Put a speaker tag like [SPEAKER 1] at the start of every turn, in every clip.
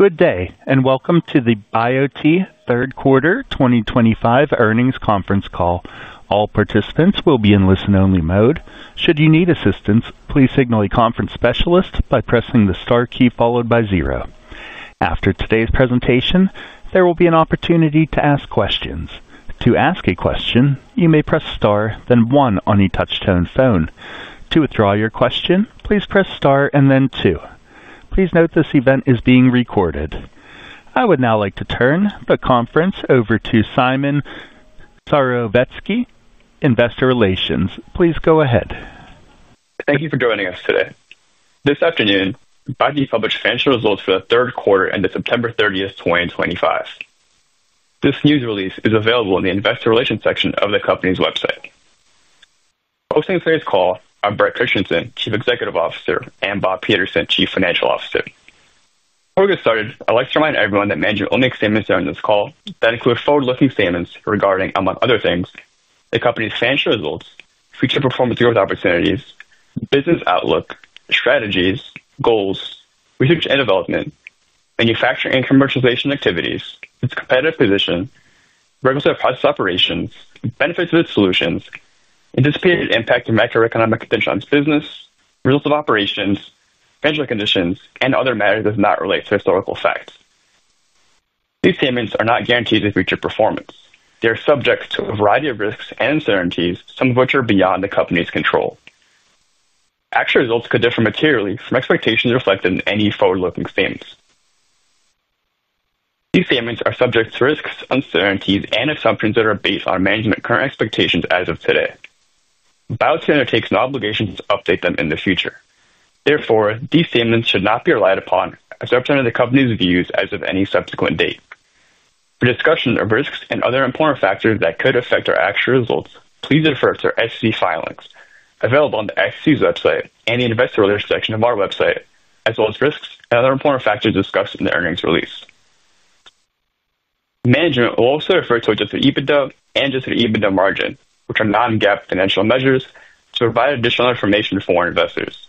[SPEAKER 1] Good day, and welcome to the Biote third quarter 2025 earnings conference call. All participants will be in listen-only mode. Should you need assistance, please signal a conference specialist by pressing the star key followed by zero. After today's presentation, there will be an opportunity to ask questions. To ask a question, you may press star, then one on a touch-tone phone. To withdraw your question, please press star and then two. Please note this event is being recorded. I would now like to turn the conference over to Simon Serowiecki, Investor Relations. Please go ahead.
[SPEAKER 2] Thank you for joining us today. This afternoon, Biote published financial results for the third quarter ended September 30, 2025. This news release is available in the Investor Relations section of the company's website. Hosting today's call are Bret Christensen, Chief Executive Officer, and Bob Peterson, Chief Financial Officer. Before we get started, I'd like to remind everyone that management only has statements during this call that include forward-looking statements regarding, among other things, the company's financial results, future performance, growth opportunities, business outlook, strategies, goals, research and development, manufacturing and commercialization activities, its competitive position, regulatory process, operations, benefits of its solutions, anticipated impact of macroeconomic potential on its business, results of operations, financial conditions, and other matters that do not relate to historical facts. These statements are not guaranteed to future performance. They are subject to a variety of risks and uncertainties, some of which are beyond the company's control. Actual results could differ materially from expectations reflected in any forward-looking statements. These statements are subject to risks, uncertainties, and assumptions that are based on management's current expectations as of today. Biote undertakes no obligations to update them in the future. Therefore, these statements should not be relied upon as representing the company's views as of any subsequent date. For discussion of risks and other important factors that could affect our actual results, please refer to our SEC filings, available on the SEC's website and the Investor Relations section of our website, as well as risks and other important factors discussed in the earnings release. Management will also refer to adjusted EBITDA and adjusted EBITDA margin, which are non-GAAP financial measures, to provide additional information for investors.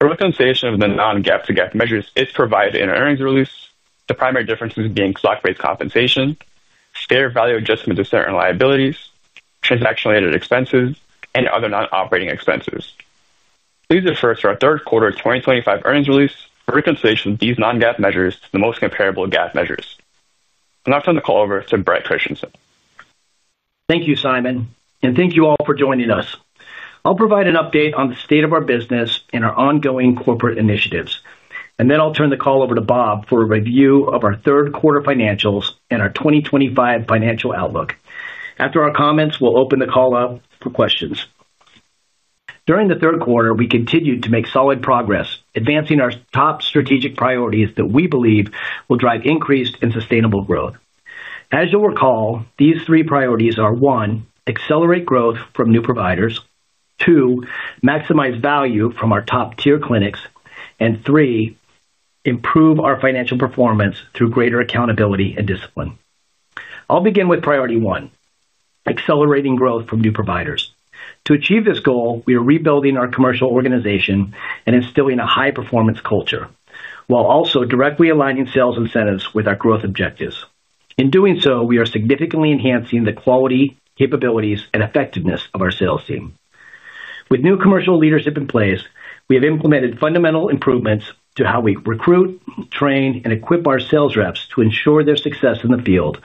[SPEAKER 2] A reconciliation of the non-GAAP to GAAP measures is provided in an earnings release, the primary differences being stock-based compensation, fair value adjustment to certain liabilities, transaction-related expenses, and other non-operating expenses. Please refer to our third quarter 2025 earnings release for reconciliation of these non-GAAP measures to the most comparable GAAP measures. I'll now turn the call over to Bret Christensen.
[SPEAKER 3] Thank you, Simon, and thank you all for joining us. I'll provide an update on the state of our business and our ongoing corporate initiatives. I will then turn the call over to Bob for a review of our third quarter financials and our 2025 financial outlook. After our comments, we'll open the call up for questions. During the third quarter, we continued to make solid progress, advancing our top strategic priorities that we believe will drive increased and sustainable growth. As you'll recall, these three priorities are: one, accelerate growth from new providers; two, maximize value from our top-tier clinics; and three, improve our financial performance through greater accountability and discipline. I'll begin with priority one, accelerating growth from new providers. To achieve this goal, we are rebuilding our commercial organization and instilling a high-performance culture, while also directly aligning sales incentives with our growth objectives. In doing so, we are significantly enhancing the quality, capabilities, and effectiveness of our sales team. With new commercial leadership in place, we have implemented fundamental improvements to how we recruit, train, and equip our sales reps to ensure their success in the field.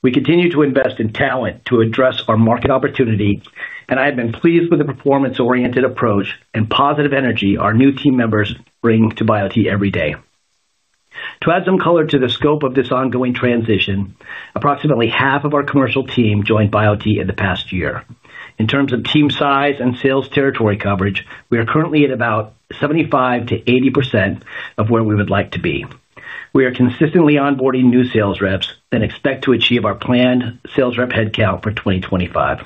[SPEAKER 3] We continue to invest in talent to address our market opportunity, and I have been pleased with the performance-oriented approach and positive energy our new team members bring to Biote every day. To add some color to the scope of this ongoing transition, approximately half of our commercial team joined Biote in the past year. In terms of team size and sales territory coverage, we are currently at about 75%-80% of where we would like to be. We are consistently onboarding new sales reps and expect to achieve our planned sales rep headcount for 2025.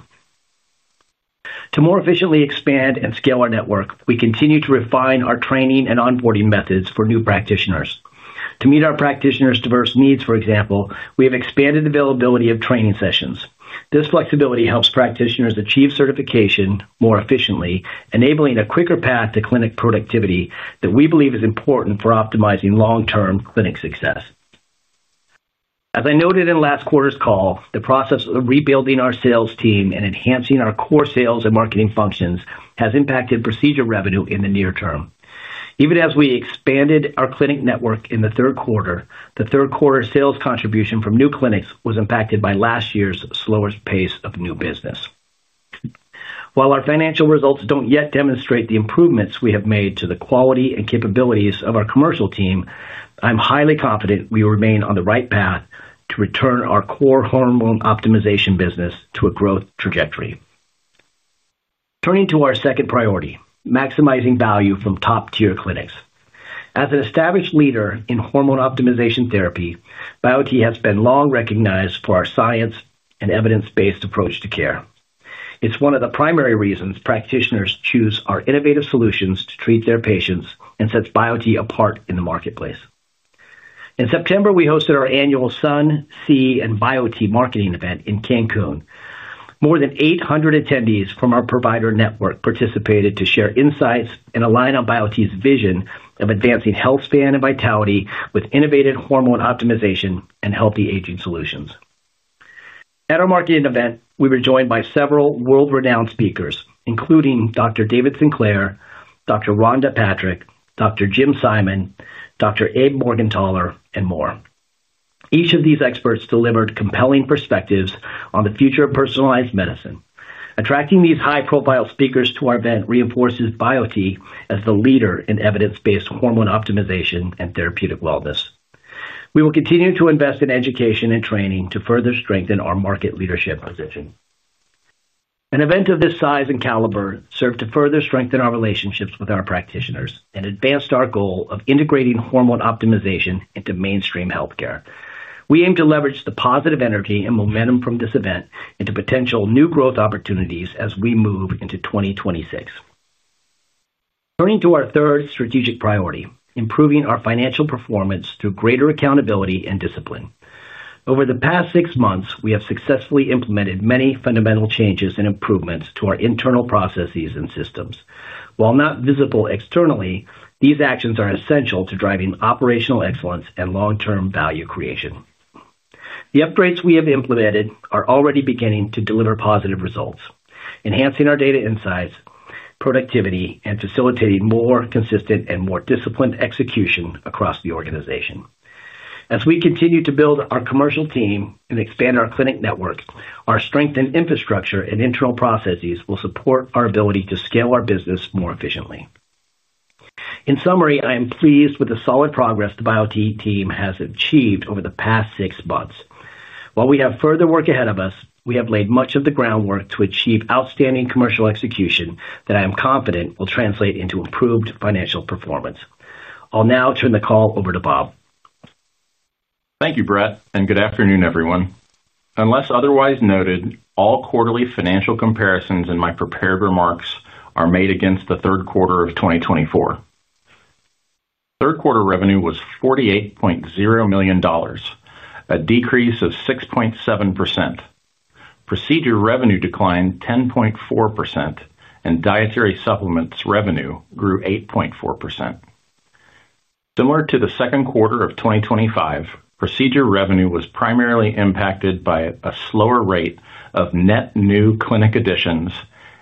[SPEAKER 3] To more efficiently expand and scale our network, we continue to refine our training and onboarding methods for new practitioners. To meet our practitioners' diverse needs, for example, we have expanded the availability of training sessions. This flexibility helps practitioners achieve certification more efficiently, enabling a quicker path to clinic productivity that we believe is important for optimizing long-term clinic success. As I noted in last quarter's call, the process of rebuilding our sales team and enhancing our core sales and marketing functions has impacted procedure revenue in the near term. Even as we expanded our clinic network in the third quarter, the third quarter sales contribution from new clinics was impacted by last year's slower pace of new business. While our financial results don't yet demonstrate the improvements we have made to the quality and capabilities of our commercial team, I'm highly confident we remain on the right path to return our core hormone optimization business to a growth trajectory. Turning to our second priority, maximizing value from top-tier clinics. As an established leader in hormone optimization therapy, Biote has been long recognized for our science and evidence-based approach to care. It's one of the primary reasons practitioners choose our innovative solutions to treat their patients and sets Biote apart in the marketplace. In September, we hosted our annual Sun, Sea, and Biote marketing event in Cancun. More than 800 attendees from our provider network participated to share insights and align on Biote's vision of advancing health span and vitality with innovative hormone optimization and healthy aging solutions. At our marketing event, we were joined by several world-renowned speakers, including Dr. David Sinclair, Dr. Rhonda Patrick, Dr. Jim Simon, Dr. Abe Morgentaler, and more. Each of these experts delivered compelling perspectives on the future of personalized medicine. Attracting these high-profile speakers to our event reinforces Biote as the leader in evidence-based hormone optimization and therapeutic wellness. We will continue to invest in education and training to further strengthen our market leadership position. An event of this size and caliber served to further strengthen our relationships with our practitioners and advanced our goal of integrating hormone optimization into mainstream healthcare. We aim to leverage the positive energy and momentum from this event into potential new growth opportunities as we move into 2026. Turning to our third strategic priority, improving our financial performance through greater accountability and discipline. Over the past six months, we have successfully implemented many fundamental changes and improvements to our internal processes and systems. While not visible externally, these actions are essential to driving operational excellence and long-term value creation. The upgrades we have implemented are already beginning to deliver positive results, enhancing our data insights, productivity, and facilitating more consistent and more disciplined execution across the organization. As we continue to build our commercial team and expand our clinic network, our strengthened infrastructure and internal processes will support our ability to scale our business more efficiently. In summary, I am pleased with the solid progress the Biote team has achieved over the past six months. While we have further work ahead of us, we have laid much of the groundwork to achieve outstanding commercial execution that I am confident will translate into improved financial performance. I'll now turn the call over to Bob.
[SPEAKER 4] Thank you, Bret, and good afternoon, everyone. Unless otherwise noted, all quarterly financial comparisons in my prepared remarks are made against the third quarter of 2024. Third quarter revenue was $48.0 million, a decrease of 6.7%. Procedure revenue declined 10.4%, and dietary supplements revenue grew 8.4%. Similar to the second quarter of 2025, procedure revenue was primarily impacted by a slower rate of net new clinic additions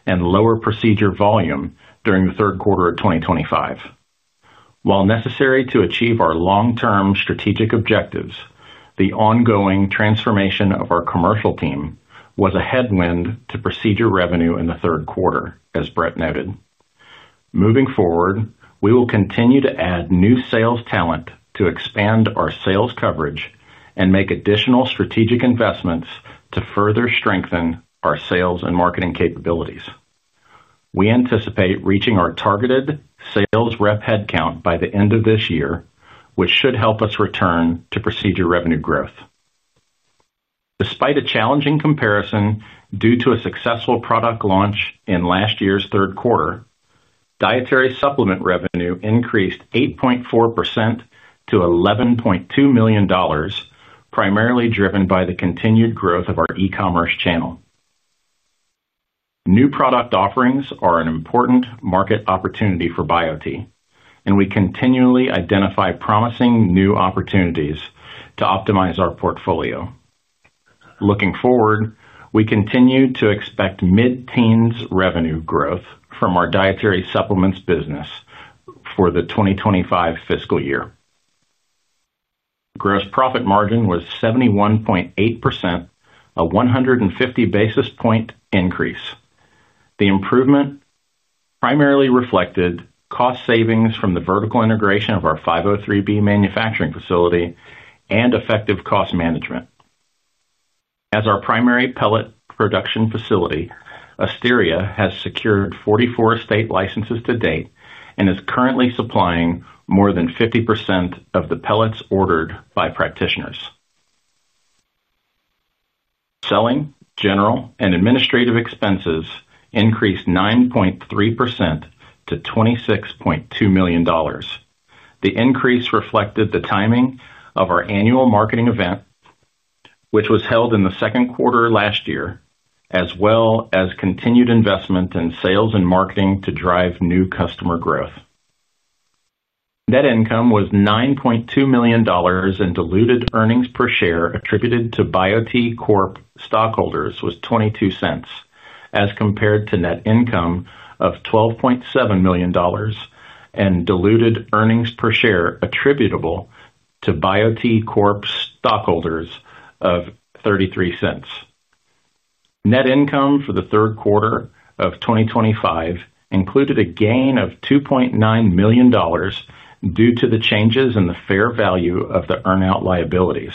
[SPEAKER 4] and lower procedure volume during the third quarter of 2025. While necessary to achieve our long-term strategic objectives, the ongoing transformation of our commercial team was a headwind to procedure revenue in the third quarter, as Bret noted. Moving forward, we will continue to add new sales talent to expand our sales coverage and make additional strategic investments to further strengthen our sales and marketing capabilities. We anticipate reaching our targeted sales rep headcount by the end of this year, which should help us return to procedure revenue growth. Despite a challenging comparison due to a successful product launch in last year's third quarter, dietary supplement revenue increased 8.4% to $11.2 million. Primarily driven by the continued growth of our e-commerce channel. New product offerings are an important market opportunity for Biote, and we continually identify promising new opportunities to optimize our portfolio. Looking forward, we continue to expect mid-teens revenue growth from our dietary supplements business for the 2025 fiscal year. Gross profit margin was 71.8%, a 150 basis point increase. The improvement primarily reflected cost savings from the vertical integration of our 503B manufacturing facility and effective cost management. As our primary pellet production facility, Asteria has secured 44 state licenses to date and is currently supplying more than 50% of the pellets ordered by practitioners. Selling, general, and administrative expenses increased 9.3% to $26.2 million. The increase reflected the timing of our annual marketing event, which was held in the second quarter last year, as well as continued investment in sales and marketing to drive new customer growth. Net income was $9.2 million, and diluted earnings per share attributed to Biote Corp stockholders was $0.22, as compared to net income of $12.7 million and diluted earnings per share attributable to Biote Corp stockholders of $0.33. Net income for the third quarter of 2025 included a gain of $2.9 million due to the changes in the fair value of the earn-out liabilities.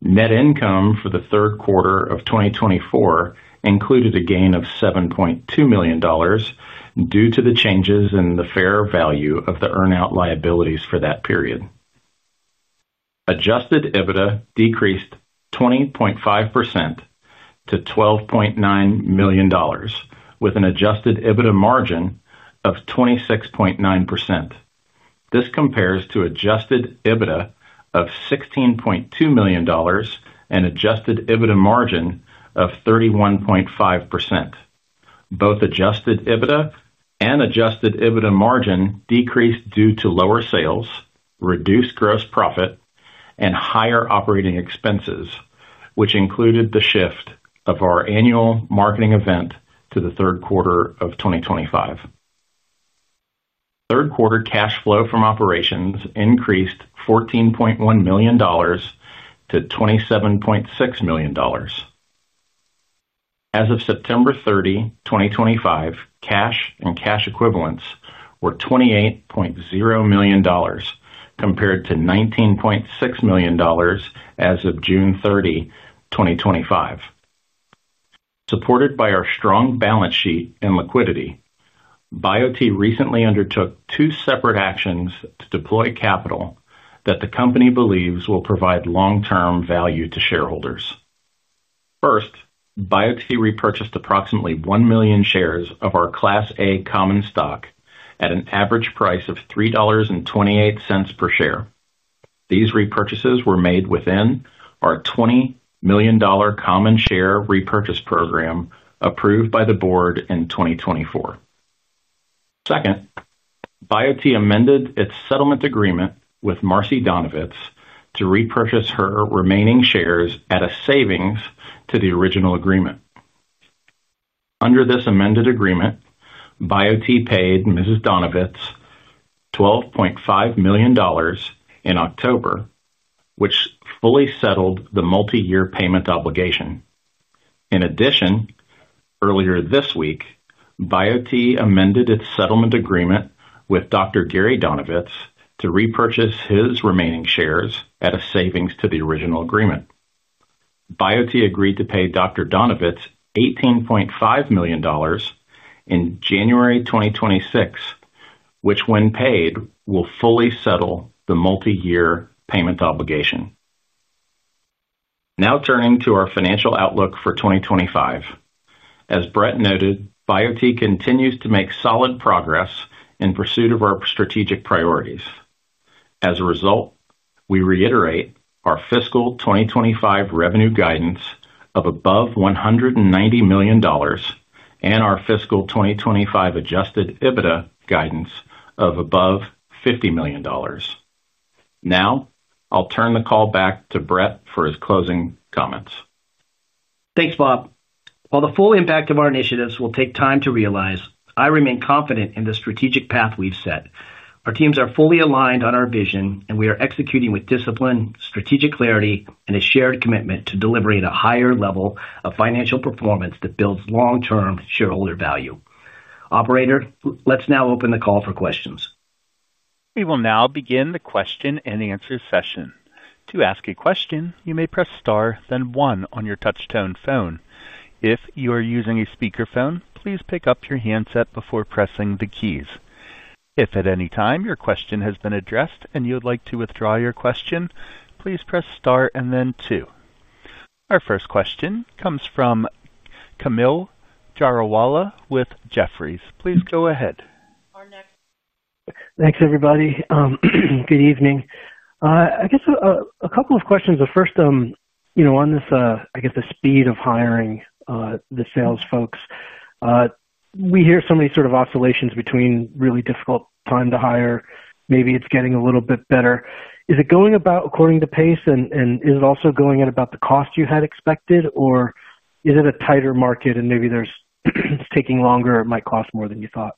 [SPEAKER 4] Net income for the third quarter of 2024 included a gain of $7.2 million. Due to the changes in the fair value of the earn-out liabilities for that period. Adjusted EBITDA decreased 20.5% to $12.9 million, with an adjusted EBITDA margin of 26.9%. This compares to adjusted EBITDA of $16.2 million and adjusted EBITDA margin of 31.5%. Both adjusted EBITDA and adjusted EBITDA margin decreased due to lower sales, reduced gross profit, and higher operating expenses, which included the shift of our annual marketing event to the third quarter of 2025. Third quarter cash flow from operations increased $14.1 million-$27.6 million. As of September 30, 2025, cash and cash equivalents were $28.0 million compared to $19.6 million as of June 30, 2025. Supported by our strong balance sheet and liquidity, Biote recently undertook two separate actions to deploy capital that the company believes will provide long-term value to shareholders. First, Biote repurchased approximately 1 million shares of our Class A common stock at an average price of $3.28 per share. These repurchases were made within our $20 million common share repurchase program approved by the board in 2024. Second, Biote amended its settlement agreement with Marcy Donovitz to repurchase her remaining shares at a savings to the original agreement. Under this amended agreement, Biote paid Mrs. Donovitz $12.5 million in October, which fully settled the multi-year payment obligation. In addition, earlier this week, Biote amended its settlement agreement with Dr. Gary Donovitz to repurchase his remaining shares at a savings to the original agreement. Biote agreed to pay Dr. Donovitz $18.5 million in January 2026, which, when paid, will fully settle the multi-year payment obligation. Now turning to our financial outlook for 2025. As Bret noted, Biote continues to make solid progress in pursuit of our strategic priorities. As a result, we reiterate our fiscal 2025 revenue guidance of above $190 million. Our fiscal 2025 adjusted EBITDA guidance is above $50 million. Now, I'll turn the call back to Bret for his closing comments.
[SPEAKER 3] Thanks, Bob. While the full impact of our initiatives will take time to realize, I remain confident in the strategic path we've set. Our teams are fully aligned on our vision, and we are executing with discipline, strategic clarity, and a shared commitment to delivering a higher level of financial performance that builds long-term shareholder value. Operator, let's now open the call for questions.
[SPEAKER 1] We will now begin the question and answer session. To ask a question, you may press star, then one on your touch-tone phone. If you are using a speakerphone, please pick up your handset before pressing the keys. If at any time your question has been addressed and you would like to withdraw your question, please press star and then two. Our first question comes from Camille Kharazmi with Jefferies. Please go ahead. Thanks, everybody. Good evening. I guess a couple of questions. The first. On this, I guess, the speed of hiring the sales folks. We hear so many sort of oscillations between really difficult time to hire. Maybe it's getting a little bit better. Is it going about according to pace, and is it also going at about the cost you had expected, or is it a tighter market and maybe it's taking longer or it might cost more than you thought?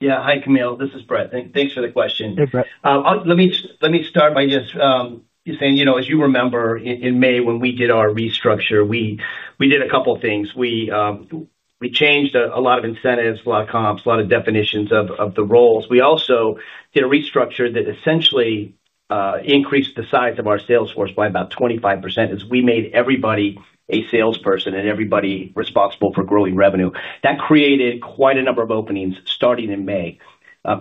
[SPEAKER 3] Yeah. Hi, Camille. This is Bret. Thanks for the question. Let me start by just saying, as you remember, in May, when we did our restructure, we did a couple of things. We changed a lot of incentives, a lot of comps, a lot of definitions of the roles. We also did a restructure that essentially increased the size of our sales force by about 25% as we made everybody a salesperson and everybody responsible for growing revenue. That created quite a number of openings starting in May.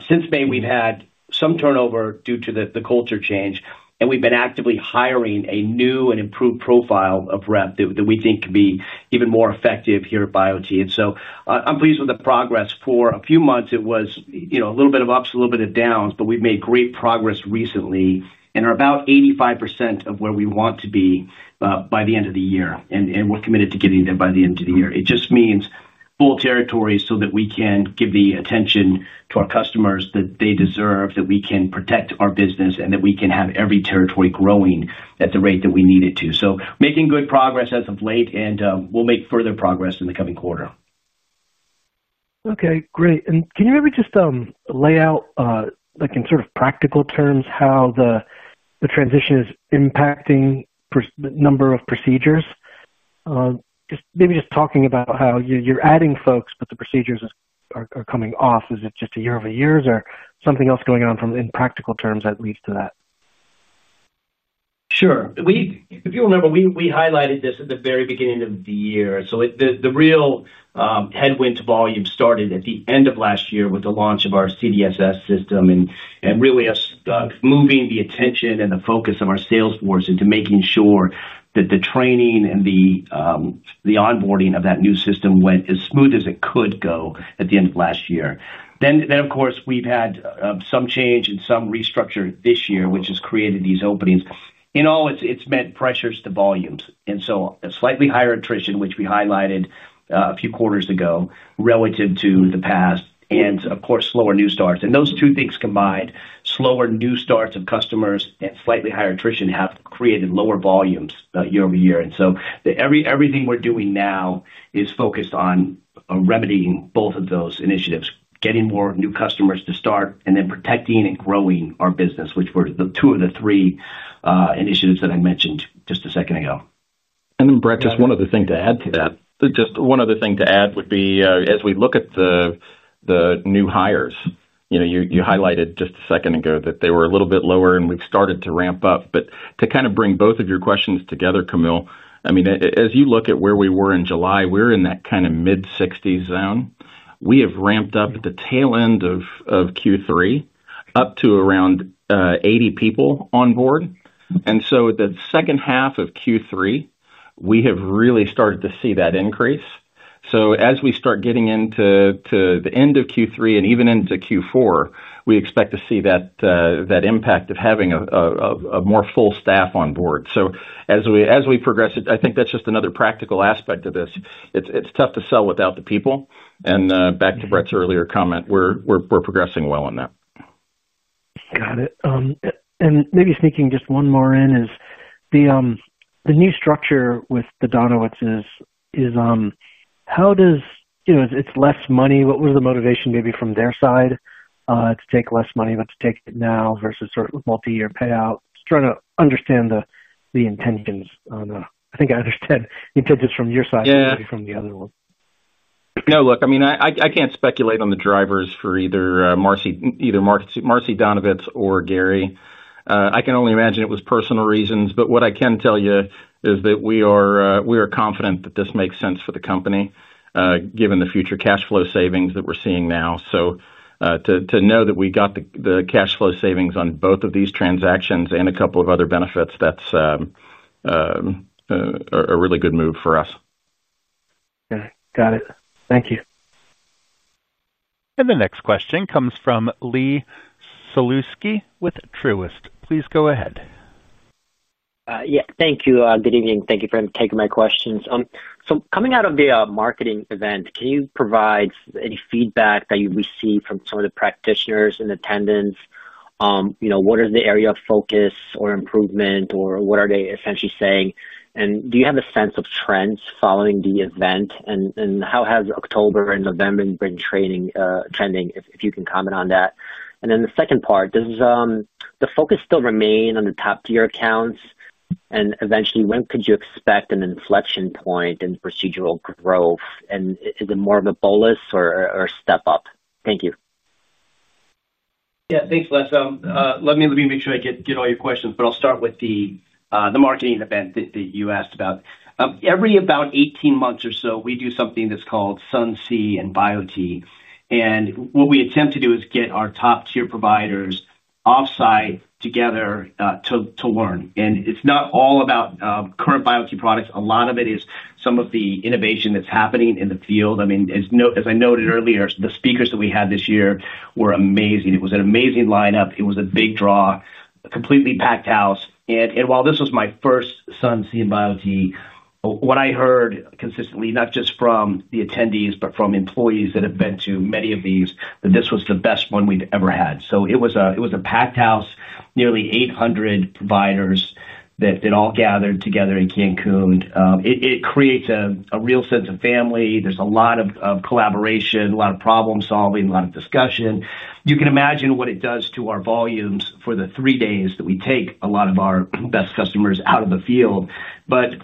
[SPEAKER 3] Since May, we've had some turnover due to the culture change, and we've been actively hiring a new and improved profile of rep that we think could be even more effective here at Biote. And so I'm pleased with the progress. For a few months, it was a little bit of ups, a little bit of downs, but we've made great progress recently and are about 85% of where we want to be by the end of the year. We're committed to getting there by the end of the year. It just means full territory so that we can give the attention to our customers that they deserve, that we can protect our business, and that we can have every territory growing at the rate that we need it to. Making good progress as of late, and we'll make further progress in the coming quarter. Okay. Great. Can you maybe just lay out, in sort of practical terms, how the transition is impacting the number of procedures? Maybe just talking about how you're adding folks, but the procedures are coming off. Is it just a year over year, or is something else going on from, in practical terms, that leads to that? Sure. If you'll remember, we highlighted this at the very beginning of the year. The real headwind to volume started at the end of last year with the launch of our CDSS system and really moving the attention and the focus of our sales force into making sure that the training and the onboarding of that new system went as smooth as it could go at the end of last year. Of course, we've had some change and some restructure this year, which has created these openings. In all, it's meant pressures to volumes. A slightly higher attrition, which we highlighted a few quarters ago, relative to the past, and slower new starts. Those two things combined, slower new starts of customers and slightly higher attrition, have created lower volumes year over year. Everything we're doing now is focused on. Remedying both of those initiatives, getting more new customers to start, and then protecting and growing our business, which were two of the three initiatives that I mentioned just a second ago.
[SPEAKER 4] Just one other thing to add would be, as we look at the new hires, you highlighted just a second ago that they were a little bit lower and we've started to ramp up. To kind of bring both of your questions together, Camille, I mean, as you look at where we were in July, we're in that kind of mid-60s zone. We have ramped up at the tail end of Q3 up to around 80 people on board. The second half of Q3, we have really started to see that increase. As we start getting into the end of Q3 and even into Q4, we expect to see that impact of having a more full staff on board. As we progress, I think that's just another practical aspect of this.It's tough to sell without the people. Back to Bret's earlier comment, we're progressing well on that. Got it. Maybe sneaking just one more in is, the new structure with the Donovitzes. How does it’s less money? What was the motivation maybe from their side to take less money, but to take it now versus sort of multi-year payout? Just trying to understand the intentions. I think I understand the intentions from your side and maybe from the other ones. No, look, I mean, I can't speculate on the drivers for either Marcy Donovitz or Gary. I can only imagine it was personal reasons. What I can tell you is that we are confident that this makes sense for the company, given the future cash flow savings that we're seeing now. To know that we got the cash flow savings on both of these transactions and a couple of other benefits, that's a really good move for us. Okay. Got it. Thank you.
[SPEAKER 1] The next question comes from Les Saluski with Truist. Please go ahead. Yeah. Thank you. Good evening. Thank you for taking my questions. Coming out of the marketing event, can you provide any feedback that you receive from some of the practitioners in attendance? What is the area of focus or improvement, or what are they essentially saying? Do you have a sense of trends following the event? How has October and November been trending, if you can comment on that? The second part, does the focus still remain on the top-tier accounts? Eventually, when could you expect an inflection point in procedural growth? Is it more of a bolus or a step up? Thank you.
[SPEAKER 3] Yeah. Thanks, Les. Let me make sure I get all your questions, but I'll start with the marketing event that you asked about. Every about 18 months or so, we do something that's called Sun, Sea, and Biote. And what we attempt to do is get our top-tier providers off-site together. To learn. And it's not all about current Biote products. A lot of it is some of the innovation that's happening in the field. I mean, as I noted earlier, the speakers that we had this year were amazing. It was an amazing lineup. It was a big draw, a completely packed house. While this was my first Sun, Sea, and Biote, what I heard consistently, not just from the attendees, but from employees that have been to many of these, that this was the best one we've ever had. It was a packed house, nearly 800 providers that all gathered together in Cancun. It creates a real sense of family. There is a lot of collaboration, a lot of problem-solving, a lot of discussion. You can imagine what it does to our volumes for the three days that we take a lot of our best customers out of the field.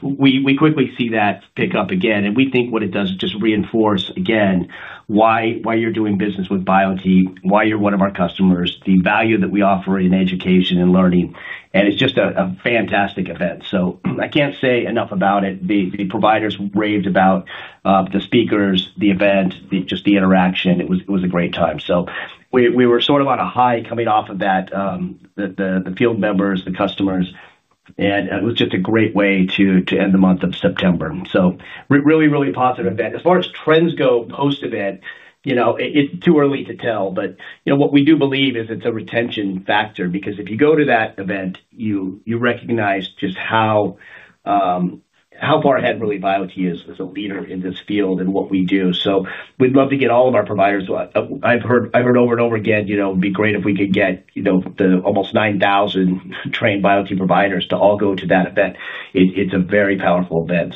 [SPEAKER 3] We quickly see that pick up again. We think what it does is just reinforce again why you are doing business with Biote, why you are one of our customers, the value that we offer in education and learning. It is just a fantastic event. I cannot say enough about it. The providers raved about the speakers, the event, just the interaction. It was a great time. We were sort of on a high coming off of that. The field members, the customers. It was just a great way to end the month of September. Really, really positive event. As far as trends go post-event, it's too early to tell. What we do believe is it's a retention factor because if you go to that event, you recognize just how far ahead really Biote is as a leader in this field and what we do. We'd love to get all of our providers. I've heard over and over again, it'd be great if we could get the almost 9,000 trained Biote providers to all go to that event. It's a very powerful event.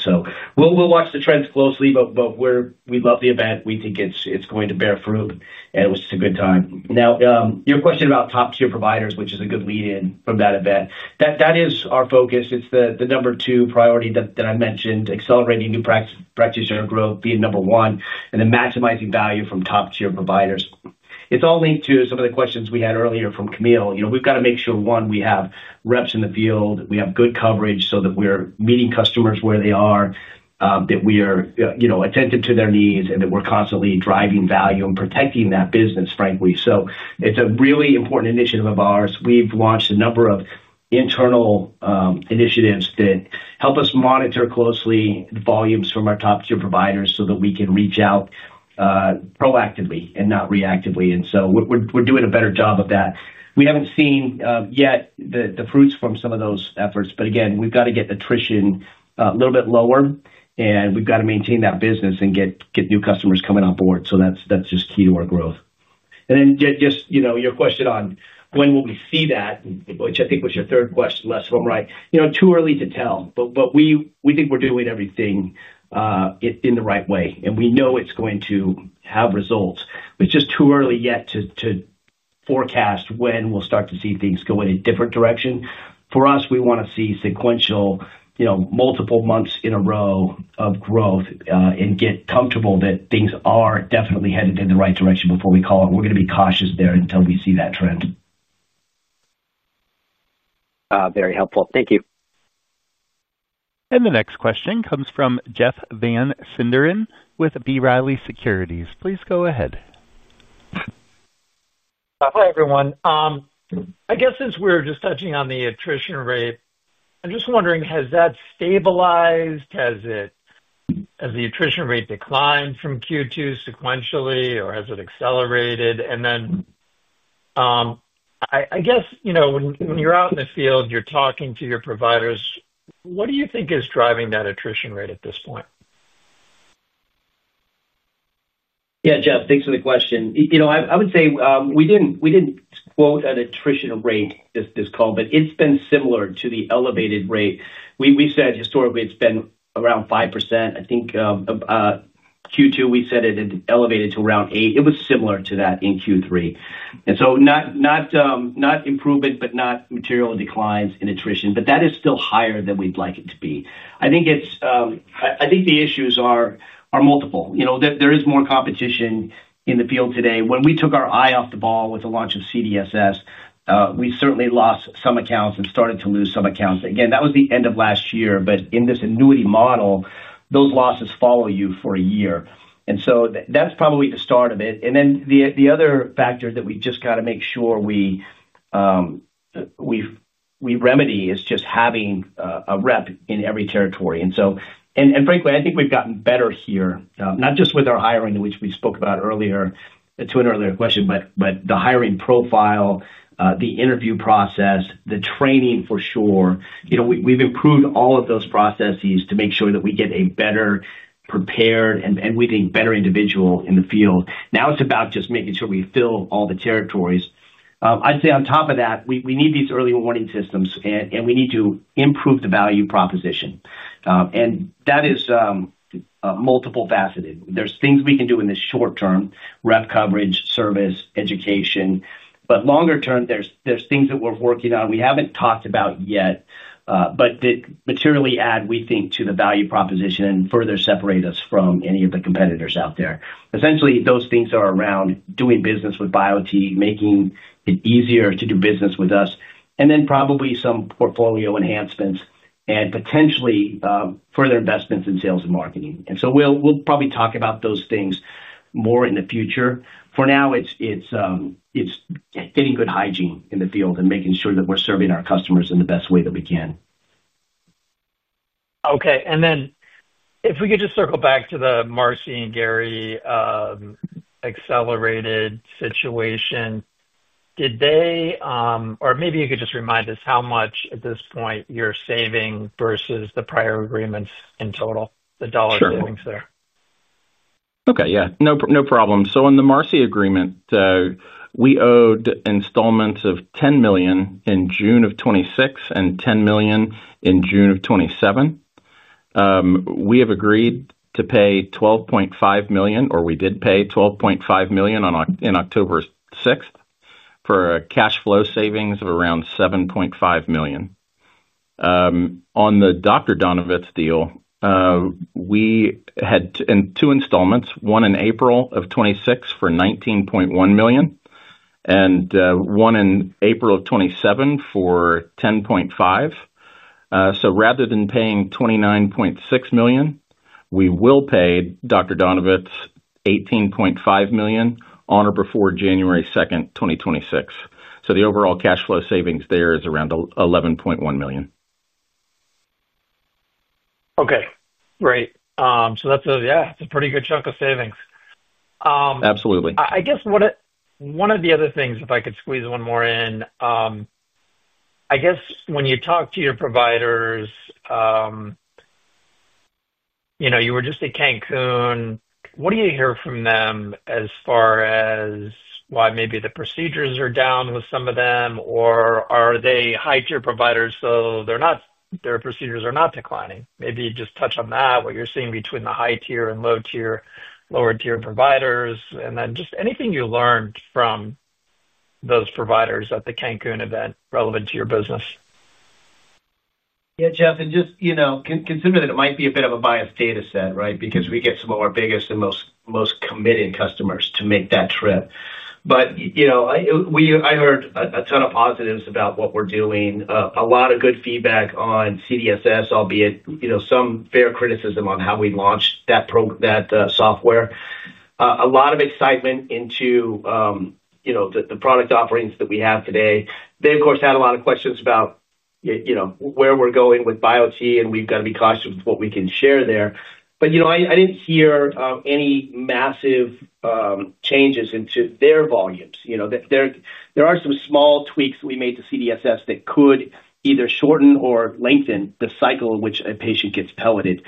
[SPEAKER 3] We'll watch the trends closely, but we love the event. We think it's going to bear fruit. It was just a good time. Now, your question about top-tier providers, which is a good lead-in from that event, that is our focus. It's the number two priority that I mentioned, accelerating new practitioner growth being number one, and then maximizing value from top-tier providers. It's all linked to some of the questions we had earlier from Camille. We've got to make sure, one, we have reps in the field. We have good coverage so that we're meeting customers where they are, that we are attentive to their needs, and that we're constantly driving value and protecting that business, frankly. It's a really important initiative of ours. We've launched a number of internal initiatives that help us monitor closely the volumes from our top-tier providers so that we can reach out proactively and not reactively. We're doing a better job of that. We haven't seen yet the fruits from some of those efforts. Again, we've got to get attrition a little bit lower, and we've got to maintain that business and get new customers coming on board. That is just key to our growth. Your question on when will we see that, which I think was your third question, Les, if I'm right. Too early to tell. We think we're doing everything in the right way. We know it's going to have results. It's just too early yet to forecast when we'll start to see things go in a different direction. For us, we want to see sequential multiple months in a row of growth and get comfortable that things are definitely headed in the right direction before we call it. We're going to be cautious there until we see that trend. Very helpful. Thank you.
[SPEAKER 1] The next question comes from Jeff Van Sinderen with B. Riley Securities. Please go ahead.
[SPEAKER 5] Hi, everyone. I guess since we were just touching on the attrition rate, I'm just wondering, has that stabilized? Has the attrition rate declined from Q2 sequentially, or has it accelerated? I guess when you're out in the field, you're talking to your providers, what do you think is driving that attrition rate at this point?
[SPEAKER 3] Yeah, Jeff, thanks for the question. I would say we did not quote an attrition rate this call, but it has been similar to the elevated rate. We said historically it has been around 5%. I think Q2, we said it had elevated to around 8%. It was similar to that in Q3. Not improvement, but not material declines in attrition. That is still higher than we would like it to be, I think. The issues are multiple. There is more competition in the field today. When we took our eye off the ball with the launch of CDSS, we certainly lost some accounts and started to lose some accounts again. That was the end of last year. In this annuity model, those losses follow you for a year. That is probably the start of it. The other factor that we just got to make sure we. Remedy is just having a rep in every territory. Frankly, I think we've gotten better here, not just with our hiring, which we spoke about earlier, to an earlier question, but the hiring profile, the interview process, the training for sure. We've improved all of those processes to make sure that we get a better prepared and we think better individual in the field. Now it's about just making sure we fill all the territories. I'd say on top of that, we need these early warning systems, and we need to improve the value proposition. That is multiple faceted. There are things we can do in the short term, rep coverage, service, education. Longer term, there are things that we're working on we haven't talked about yet, but that materially add, we think, to the value proposition and further separate us from any of the competitors out there. Essentially, those things are around doing business with Biote, making it easier to do business with us, and then probably some portfolio enhancements and potentially further investments in sales and marketing. We will probably talk about those things more in the future. For now, it is getting good hygiene in the field and making sure that we are serving our customers in the best way that we can.
[SPEAKER 5] Okay. If we could just circle back to Marcy and Gary, accelerated situation. Maybe you could just remind us how much at this point you're saving versus the prior agreements in total, the dollar savings there.
[SPEAKER 4] Sure. Okay. Yeah. No problem. So on the Marcy agreement. We owed installments of $10 million in June of 2026 and $10 million in June of 2027. We have agreed to pay $12.5 million, or we did pay $12.5 million on October 6th for a cash flow savings of around $7.5 million. On the Dr. Donovitz deal. We had two installments, one in April of 2026 for $19.1 million. And one in April of 2027 for $10.5 million. So rather than paying $29.6 million, we will pay Dr. Donovitz $18.5 million on or before January 2nd, 2026. So the overall cash flow savings there is around $11.1 million.
[SPEAKER 5] Okay. Great. So yeah, it's a pretty good chunk of savings.
[SPEAKER 4] Absolutely.
[SPEAKER 5] I guess one of the other things, if I could squeeze one more in. I guess when you talk to your providers. You were just at Cancun, what do you hear from them as far as why maybe the procedures are down with some of them, or are they high-tier providers so their procedures are not declining? Maybe just touch on that, what you're seeing between the high-tier and lower-tier providers, and then just anything you learned from those providers at the Cancun event relevant to your business.
[SPEAKER 3] Yeah, Jeff, and just consider that it might be a bit of a biased data set, right, because we get some of our biggest and most committed customers to make that trip. I heard a ton of positives about what we're doing, a lot of good feedback on CDSS, albeit some fair criticism on how we launched that software. A lot of excitement into the product offerings that we have today. They, of course, had a lot of questions about where we're going with Biote, and we've got to be cautious with what we can share there. I didn't hear any massive changes into their volumes. There are some small tweaks that we made to CDSS that could either shorten or lengthen the cycle in which a patient gets pelleted.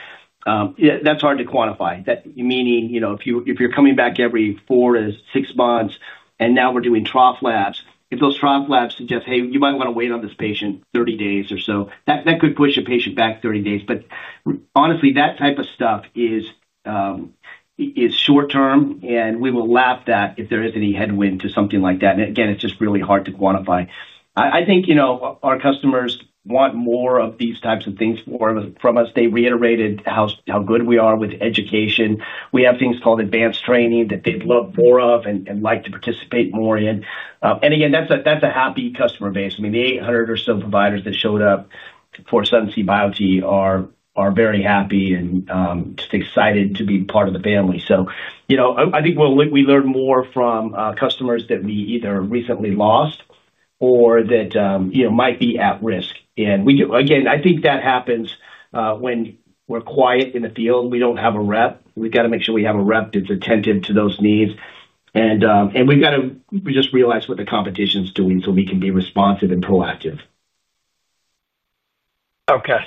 [SPEAKER 3] That's hard to quantify. Meaning, if you're coming back every four to six months, and now we're doing trough labs, if those trough labs suggest, "Hey, you might want to wait on this patient 30 days or so," that could push a patient back 30 days. Honestly, that type of stuff is short-term, and we will laugh at that if there is any headwind to something like that. Again, it's just really hard to quantify. I think our customers want more of these types of things from us. They reiterated how good we are with education. We have things called advanced training that they'd love more of and like to participate more in. Again, that's a happy customer base. I mean, the 800 or so providers that showed up for Sun, Sea, and Biote are very happy and just excited to be part of the family. I think we learn more from customers that we either recently lost or that might be at risk. Again, I think that happens when we're quiet in the field. We don't have a rep. We've got to make sure we have a rep that's attentive to those needs. We've got to just realize what the competition's doing so we can be responsive and proactive.
[SPEAKER 5] Okay.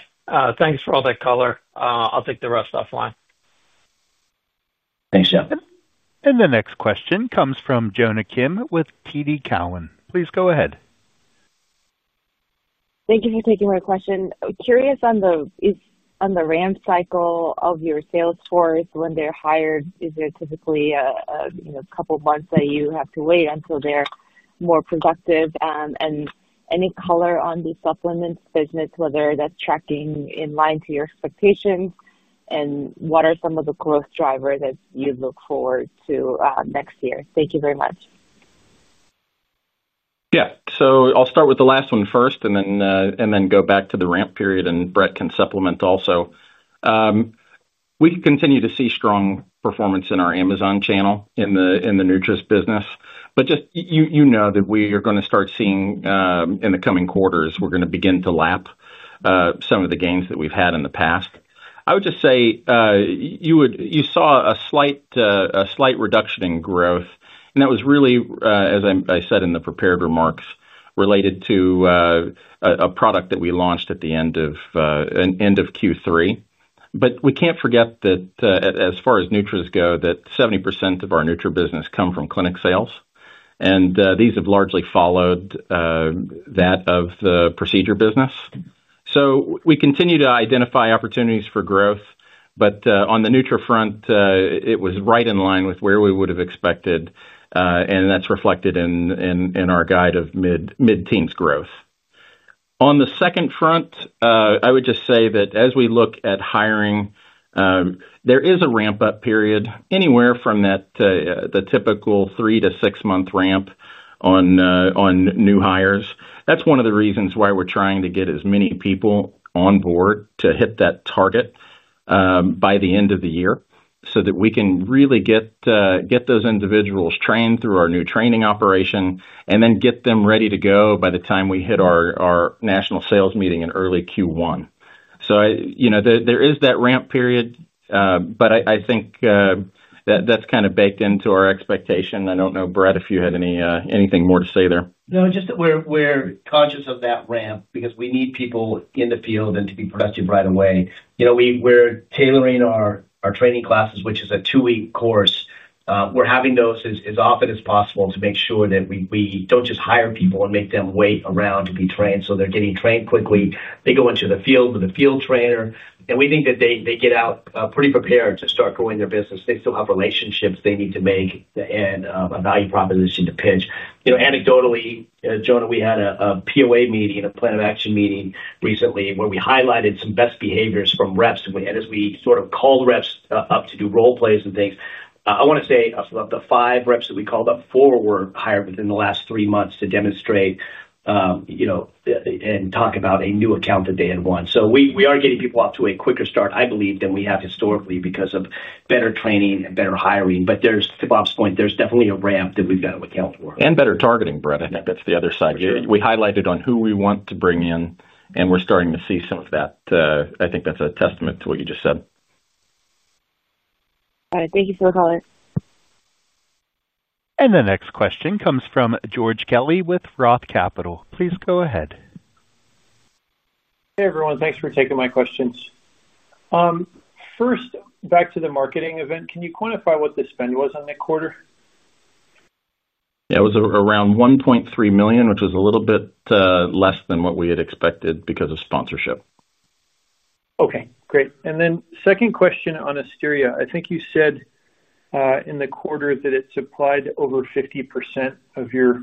[SPEAKER 5] Thanks for all that color. I'll take the rest offline.
[SPEAKER 3] Thanks, Jeff.
[SPEAKER 1] The next question comes from Jonah Kim with TD Cowen. Please go ahead.
[SPEAKER 6] Thank you for taking my question. Curious on the ramp cycle of your sales force. When they're hired, is there typically a couple of months that you have to wait until they're more productive? Any color on the supplements business, whether that's tracking in line to your expectations, and what are some of the growth drivers that you look forward to next year? Thank you very much.
[SPEAKER 4] Yeah. I'll start with the last one first, and then go back to the ramp period, and Bret can supplement also. We continue to see strong performance in our Amazon channel in the Nutris business. Just, you know, we are going to start seeing in the coming quarters, we're going to begin to lap some of the gains that we've had in the past. I would just say you saw a slight reduction in growth, and that was really, as I said in the prepared remarks, related to a product that we launched at the end of Q3. We can't forget that as far as Nutris go, 70% of our Nutris business come from clinic sales, and these have largely followed that of the procedure business. We continue to identify opportunities for growth. On the Nutris front, it was right in line with where we would have expected. That's reflected in our guide of mid-teens growth. On the second front, I would just say that as we look at hiring, there is a ramp-up period anywhere from the typical three to six-month ramp on new hires. That's one of the reasons why we're trying to get as many people on board to hit that target by the end of the year so that we can really get those individuals trained through our new training operation and then get them ready to go by the time we hit our national sales meeting in early Q1. There is that ramp period, but I think that's kind of baked into our expectation. I don't know, Bret, if you had anything more to say there.
[SPEAKER 3] No, just that we're conscious of that ramp because we need people in the field and to be productive right away. We're tailoring our training classes, which is a two-week course. We're having those as often as possible to make sure that we don't just hire people and make them wait around to be trained. They're getting trained quickly. They go into the field with a field trainer. We think that they get out pretty prepared to start growing their business. They still have relationships they need to make and a value proposition to pitch. Anecdotally, Jonah, we had a POA meeting, a plan of action meeting recently where we highlighted some best behaviors from reps. As we sort of called reps up to do role plays and things, I want to say of the five reps that we called, four were hired within the last three months to demonstrate. They talked about a new account that they had won. We are getting people off to a quicker start, I believe, than we have historically because of better training and better hiring. To Bob's point, there is definitely a ramp that we have to account for.
[SPEAKER 4] Better targeting, Bret. I think that's the other side. We highlighted on who we want to bring in, and we're starting to see some of that. I think that's a testament to what you just said.
[SPEAKER 3] Got it. Thank you for the call.
[SPEAKER 1] The next question comes from George Kelly with Roth Capital. Please go ahead.
[SPEAKER 7] Hey, everyone. Thanks for taking my questions. First, back to the marketing event. Can you quantify what the spend was on that quarter?
[SPEAKER 4] Yeah, it was around $1.3 million, which was a little bit less than what we had expected because of sponsorship.
[SPEAKER 7] Okay. Great. Then second question on Asteria. I think you said in the quarter that it supplied over 50% of your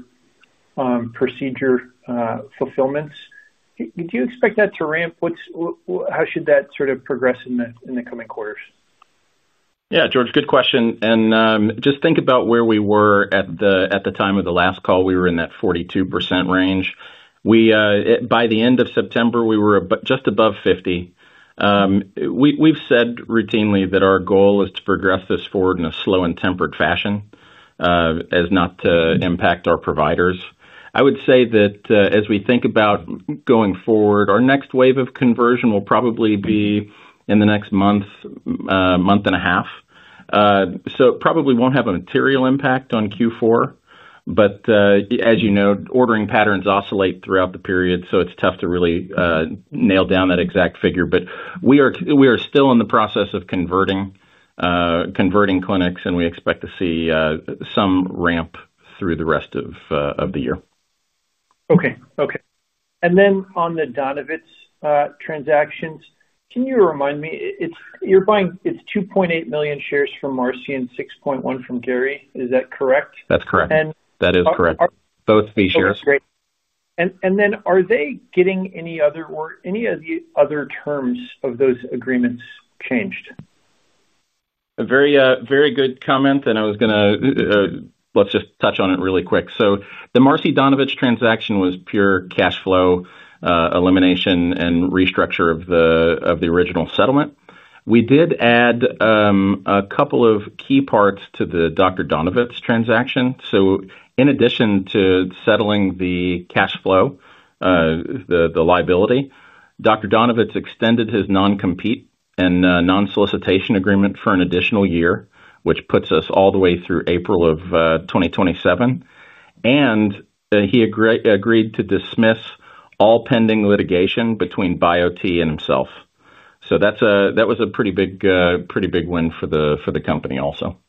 [SPEAKER 7] procedure fulfillments. Do you expect that to ramp? How should that sort of progress in the coming quarters?
[SPEAKER 4] Yeah, George, good question. Just think about where we were at the time of the last call. We were in that 42% range. By the end of September, we were just above 50%. We've said routinely that our goal is to progress this forward in a slow and tempered fashion, as not to impact our providers. I would say that as we think about going forward, our next wave of conversion will probably be in the next month, month and a half. It probably won't have a material impact on Q4. As you know, ordering patterns oscillate throughout the period, so it's tough to really nail down that exact figure. We are still in the process of converting clinics, and we expect to see some ramp through the rest of the year.
[SPEAKER 7] Okay. Okay. And then on the Donovitz transactions, can you remind me? It's 2.8 million shares from Marcy and 6.1 from Gary. Is that correct?
[SPEAKER 4] That's correct. That is correct. Both fee shares.
[SPEAKER 7] Okay. Great. And then are they getting any other terms of those agreements changed?
[SPEAKER 4] A very good comment, and I was going to. Let's just touch on it really quick. So the Marcy Donovitz transaction was pure cash flow elimination and restructure of the original settlement. We did add. A couple of key parts to the Dr. Donovitz transaction. So in addition to settling the cash flow. The liability, Dr. Donovitz extended his non-compete and non-solicitation agreement for an additional year, which puts us all the way through April of 2027. And he agreed to dismiss all pending litigation between Biote and himself. So that was a pretty big. Win for the company also.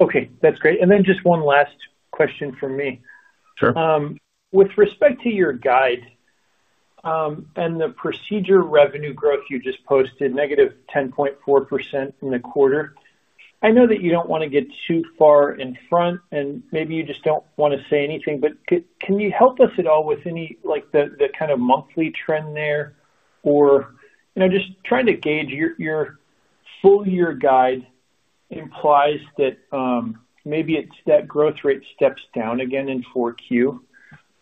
[SPEAKER 7] Okay. That's great. Just one last question for me. With respect to your guide and the procedure revenue growth you just posted, negative 10.4% in the quarter. I know that you don't want to get too far in front, and maybe you just don't want to say anything, but can you help us at all with the kind of monthly trend there? Just trying to gauge your full year guide. It implies that maybe it's that growth rate steps down again in Q4.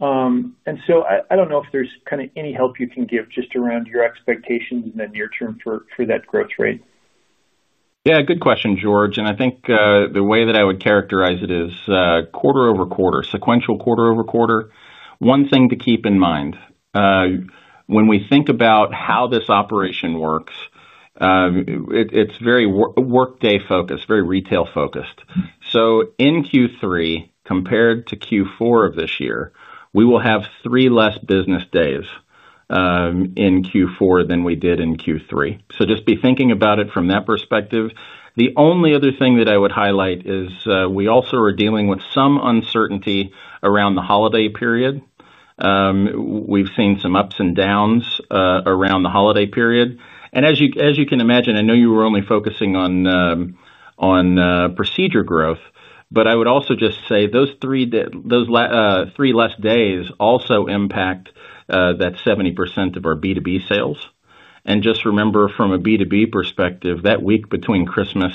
[SPEAKER 7] I don't know if there's any help you can give just around your expectations and then your term for that growth rate.
[SPEAKER 4] Yeah, good question, George. And I think the way that I would characterize it is quarter-over-quarter, sequential quarter-over-quarter. One thing to keep in mind. When we think about how this operation works. It's very workday focused, very retail focused. So in Q3, compared to Q4 of this year, we will have three less business days. In Q4 than we did in Q3. So just be thinking about it from that perspective. The only other thing that I would highlight is we also are dealing with some uncertainty around the holiday period. We've seen some ups and downs around the holiday period. And as you can imagine, I know you were only focusing on. Procedure growth, but I would also just say those three. Less days also impact that 70% of our B2B sales. Just remember, from a B2B perspective, that week between Christmas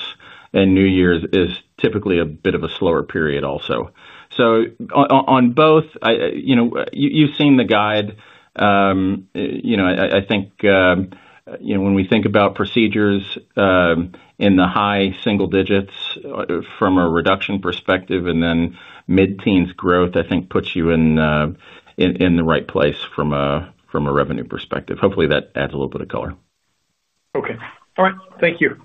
[SPEAKER 4] and New Year's is typically a bit of a slower period also. On both, you've seen the guide. I think when we think about procedures, in the high single digits from a reduction perspective, and then mid-teens growth, I think puts you in the right place from a revenue perspective. Hopefully, that adds a little bit of color.
[SPEAKER 7] Okay. All right. Thank you.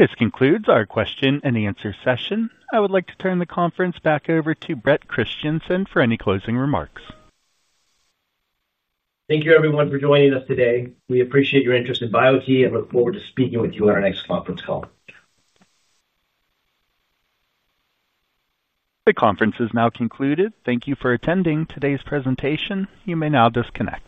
[SPEAKER 1] This concludes our question and answer session. I would like to turn the conference back over to Bret Christensen for any closing remarks.
[SPEAKER 3] Thank you, everyone, for joining us today. We appreciate your interest in Biote and look forward to speaking with you on our next conference call.
[SPEAKER 1] The conference is now concluded. Thank you for attending today's presentation. You may now disconnect.